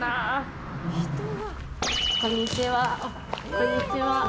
こんにちは。